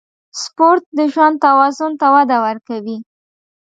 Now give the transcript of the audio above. سپورت د ژوند توازن ته وده ورکوي.